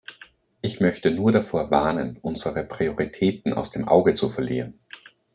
Ich möchte nur davor warnen, unsere Prioritäten aus dem Auge zu verlieren!